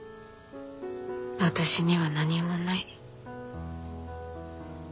私には何もない。